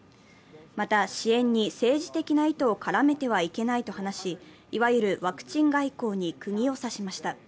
また、支援に政治的な意図を絡めてはいけないと話し、いわゆるワクチン外交にくぎを刺しました。